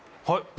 はい。